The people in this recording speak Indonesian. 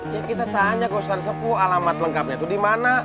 ya kita tanya kok ustaz sepu alamat lengkapnya tuh dimana